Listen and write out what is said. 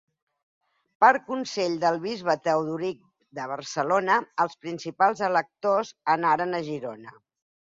Per consell del bisbe Teodoric de Barcelona, els principals electors anaren a Girona.